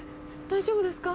大丈夫ですか？